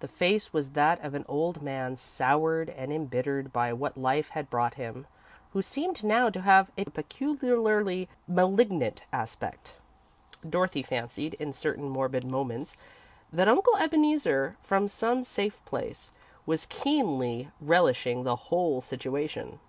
The face was that of an old man, soured and embittered by what Life had brought him, who seemed now to have a peculiarly malignant aspect. Dorothy fancied, in certain morbid moments, that Uncle Ebeneezer, from some safe place, was keenly relishing the whole situation.